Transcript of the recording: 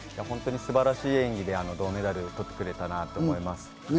本当に素晴らしい演技で銅メダルを取ってくれたなと思います。